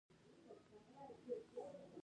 د کندهار ښار د کندهار مرکز دی